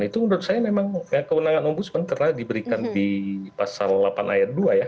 itu menurut saya memang kewenangan ombudsman pernah diberikan di pasal delapan ayat dua ya